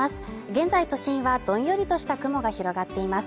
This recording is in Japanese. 現在都心はどんよりとした雲が広がっています。